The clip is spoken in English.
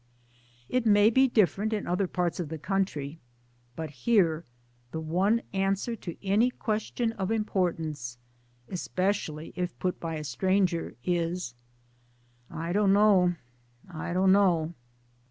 It may be different in other parts of the country, but here the one answer to any question of importance (especially if put by a stranger) is " I don't know I don't know."